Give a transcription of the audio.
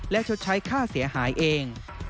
และชดใช้ค่าเสียหายเอง